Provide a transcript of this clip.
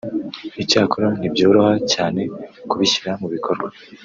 icyakora ntibyoroha cyane kubishyira mu bikorwa